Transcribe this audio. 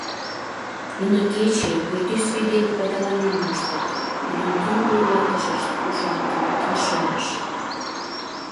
Нуно кече, пӱртӱс вий дене пайдаланен моштат, нунын тӱҥ вуйлатышышт — Уш-акыл, Келшымаш.